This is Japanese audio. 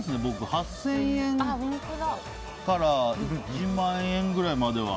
８０００円から１万円くらいまでは。